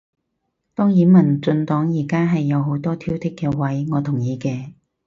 當然民進黨而家係有好多挑剔嘅位，我同意嘅